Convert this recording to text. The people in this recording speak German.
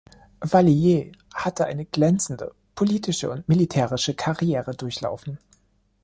Valier hatte eine glänzende politische und militärische Karriere durchlaufen.